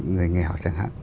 người nghèo chẳng hạn